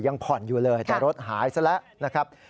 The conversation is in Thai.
ยังผ่อนอยู่เลยแต่รถหายซะแล้วนะครับ